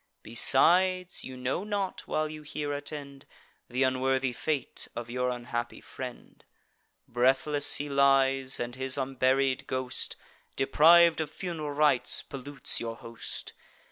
Besides, you know not, while you here attend, Th' unworthy fate of your unhappy friend: Breathless he lies; and his unburied ghost, Depriv'd of fun'ral rites, pollutes your host.